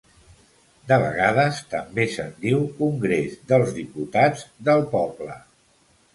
De vegades també se'n diu Congrés dels Diputats del Poble.